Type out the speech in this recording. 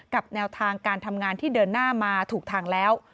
แนวทางการทำงานที่เดินหน้ามาถูกทางแล้ว